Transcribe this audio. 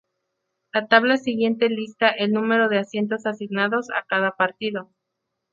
La tabla siguiente lista el número de asientos asignados a cada partido.